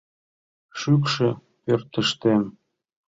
Шӱкшӧ пӧртыштем